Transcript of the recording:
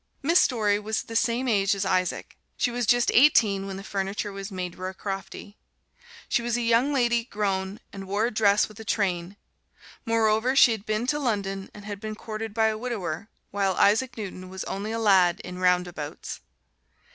Miss Story was the same age as Isaac. She was just eighteen when the furniture was made roycroftie she was a young lady, grown, and wore a dress with a train; moreover, she had been to London and had been courted by a widower, while Isaac Newton was only a lad in roundabouts.